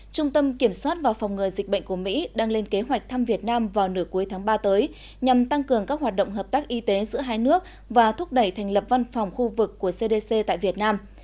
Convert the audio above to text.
trung tâm kiểm soát và phòng ngừa dịch bệnh của mỹ đang lên kế hoạch thăm việt nam vào nửa cuối tháng ba tới nhằm tăng cường các hoạt động hợp tác y tế giữa hai nước và thúc đẩy thành lập văn phòng khu vực của cdc tại việt nam